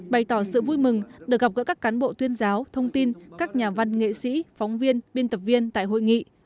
bày tỏ sự vui mừng được gặp gỡ các cán bộ tuyên giáo thông tin các nhà văn nghệ sĩ phóng viên biên tập viên tại hội nghị